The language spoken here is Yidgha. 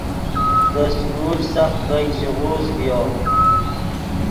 دے سکول سخت بیګ ژیغوز ڤیو